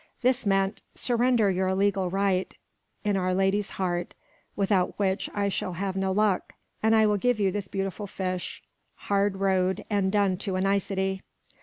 This meant, "Surrender your legal right in Our Lady's heart, without which I shall have no luck, and I will give you this beautiful fish, hard roed, and done to a nicety."